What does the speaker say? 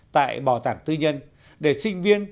tại bảo tàng tư nhân để sinh viên